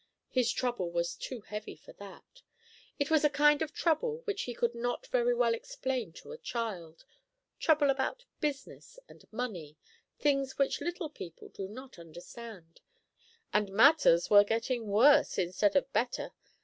His trouble was too heavy for that. It was a kind of trouble which he could not very well explain to a child; trouble about business and money, things which little people do not understand; and matters were getting worse instead of better.